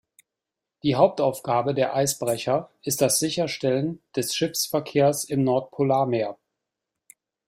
Die Hauptaufgabe der Eisbrecher ist das Sicherstellen des Schiffsverkehrs im Nordpolarmeer.